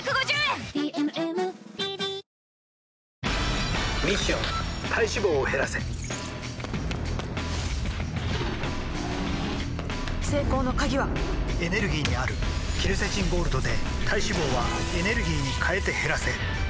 ミッション体脂肪を減らせ成功の鍵はエネルギーにあるケルセチンゴールドで体脂肪はエネルギーに変えて減らせ「特茶」